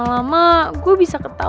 ntar kapal f sulawesilandpa